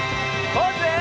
ポーズ！